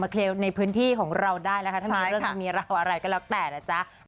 มาเคลียร์ในพื้นที่ของเราได้แล้วก็ถ้ามีเรื่องนี้เรารอเราก็แล้วแต่น่าจ้ะ